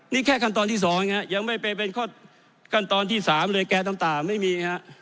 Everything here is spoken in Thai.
นี่แค่ขั้นตอนที่๒ยังไม่ไปเป็นขั้นตอนที่๓เลยแก๊น้ำตาไม่มีฮะ